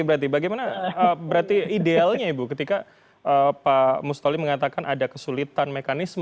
berarti bagaimana berarti idealnya ibu ketika pak mustoli mengatakan ada kesulitan mekanisme